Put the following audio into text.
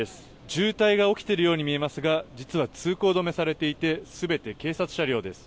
渋滞が起きているように見えますが実は通行止めされていて全て警察車両です。